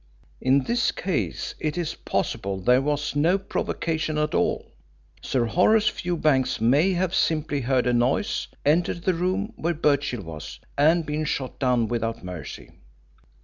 In this case it is possible there was no provocation at all. Sir Horace Fewbanks may have simply heard a noise, entered the room where Birchill was, and been shot down without mercy.